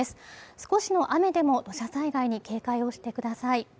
少しの雨でも土砂災害に警戒をしてください。